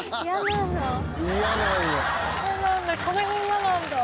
嫌なんだ。